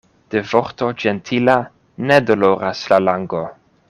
De vorto ĝentila ne doloras la lango.